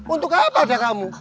untuk apa deh kamu